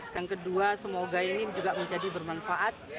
yang kedua semoga ini juga menjadi bermanfaat